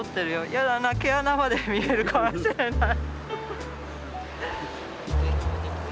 やだな毛穴まで見えるかもしれない。